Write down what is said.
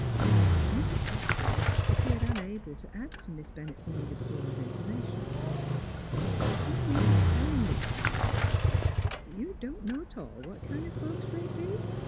" But Mrs. Pettibone appeared unable to add to Miss Bennett's meagre store of information. " D' you mean t' tell me, Philura Eice, 'at you don't know 't all what kind o' folks they be?